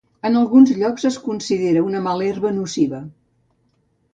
En alguns llocs es considera una mala herba nociva.